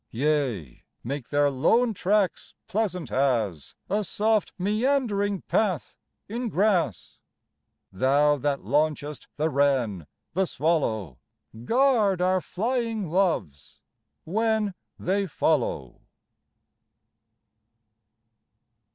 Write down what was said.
Yea, make their lone tracks pleasant as A soft meandering path in grass. Thou that launchest the wren, the swallow Guard our flying loves when they follow.